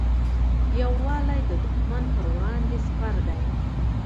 یووالی د دښمن پر وړاندې سپر دی.